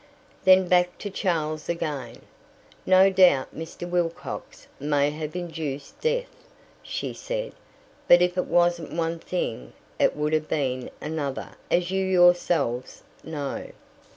Then back to Charles again. "No doubt Mr. Wilcox may have induced death," she said; "but if it wasn't one thing it would have been another, as you yourselves know."